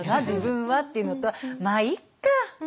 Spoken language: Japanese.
自分はっていうのとまあいっか！